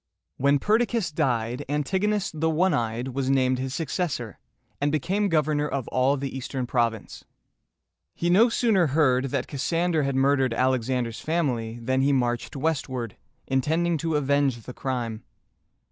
When Perdiccas died, An tig´o nus ("the one eyed") was named his successor, and became governor of all the Eastern province. He no sooner heard that Cassander had murdered Alexander's family, than he marched westward, intending to avenge the crime.